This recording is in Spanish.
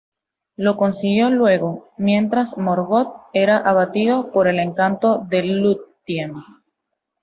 Lo consiguió luego, mientras Morgoth era abatido por el encanto de Lúthien.